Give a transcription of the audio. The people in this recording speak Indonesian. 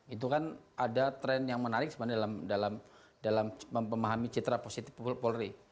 itu kan ada tren yang menarik sebenarnya dalam memahami citra positif polri